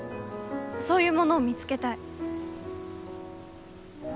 そういうものを見つけたい。